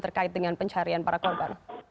terkait dengan pencarian para korban